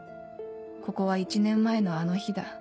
ここは１年前のあの日だ